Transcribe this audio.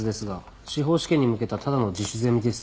司法試験に向けたただの自主ゼミです。